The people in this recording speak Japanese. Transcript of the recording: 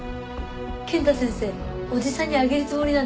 健太先生おじさんにあげるつもりなんてないよ。